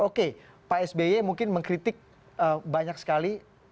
oke pak sby mungkin mengkritik banyak sekali